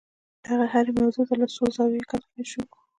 دغې هرې موضوع ته له څو زاویو کتلای شو.